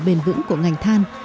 bền vững của ngành than